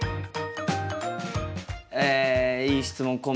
えいい質問項目